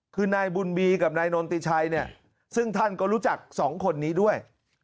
คือนายบุญบีกับนายนนติชัยเนี่ยซึ่งท่านก็รู้จักสองคนนี้ด้วย